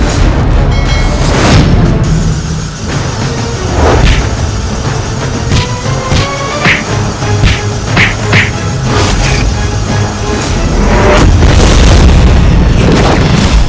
jajah jajah jajah